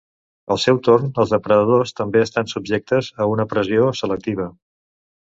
Al seu torn els depredadors també estan subjectes a una pressió selectiva.